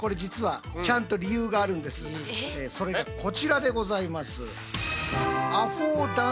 さあこれそれがこちらでございます。